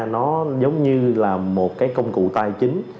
nó giống như là một cái công cụ tài chính